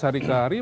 hari ke hari